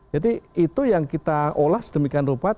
jadi itu yang kita olah sedemikian rupa